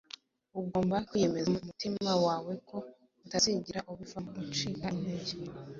ugomba kwiyemeza mu mutima wawe ko utazigera ubivamo, ucika intege.